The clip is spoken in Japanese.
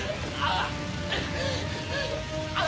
ああ！